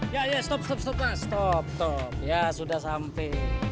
ya ya stop stop stop stop ya sudah sampai